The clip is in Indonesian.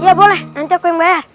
ya boleh nanti aku yang bayar